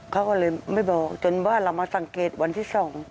เขาก็เลยไม่บอกจนว่าเรามาสังเกตวันที่๒